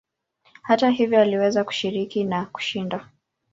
Hata hivyo aliweza kushiriki na kushinda.